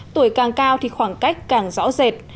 tuổi càng cao thì khoảng cách càng rõ rệt